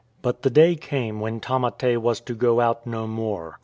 But the day came when Tamate was to go out no more.